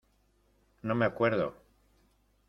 no me acuerdo.